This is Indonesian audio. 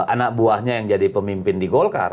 anak buahnya yang jadi pemimpin di golkar